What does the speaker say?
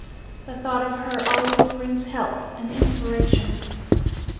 The thought of her always brings help and inspiration.